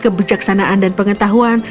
kebijaksanaan dan pengetahuan